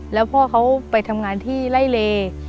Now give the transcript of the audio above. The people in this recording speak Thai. แล้วพ่อเขาไปทำงานที่ไล่เล